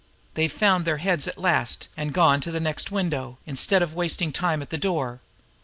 They've found their heads at last, and gone to the next window, instead of wasting time on that door.